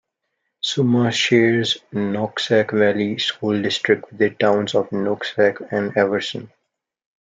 Sumas shares Nooksack Valley School District with the towns of Nooksack and Everson.